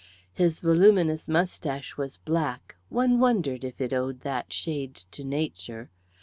His voluminous moustache was black; one wondered if it owed that shade to nature.